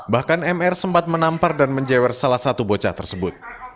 bahkan mr sempat menampar dan menjewer salah satu bocah tersebut